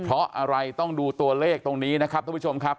เพราะอะไรต้องดูตัวเลขตรงนี้นะครับท่านผู้ชมครับ